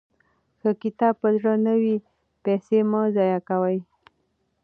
که کتاب په زړه نه وي، پیسې مه ضایع کوئ.